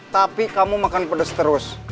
tapi kamu makan pedas terus